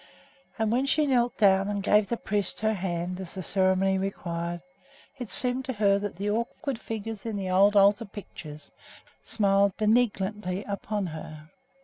And when she knelt down and gave the priest her hand, as the ceremony required, it seemed to her that the awkward figures in the old altar pictures smiled benignantly upon her.